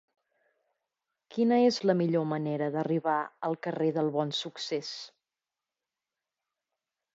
Quina és la millor manera d'arribar al carrer del Bonsuccés?